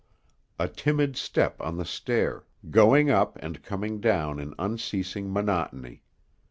A timid step on the stair, going up and coming down in unceasing monotony.